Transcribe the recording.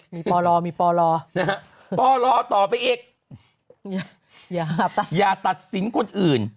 มีปลมีปลนะฮะปลต่อไปอีกอย่าตัดสินคนอื่น